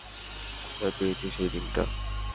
কোত্থেকে পেয়েছিস এই ডিমটা?